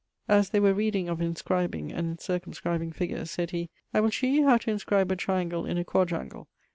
As they were reading of inscribing and circumscribing figures, sayd he,'I will shew you how to inscribe a triangle in a quadrangle.